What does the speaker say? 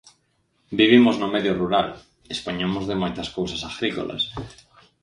Vivimos no medio rural, dispoñemos de moitas cousas agrícolas.